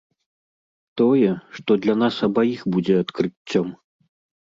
Тое, што для нас абаіх будзе адкрыццём.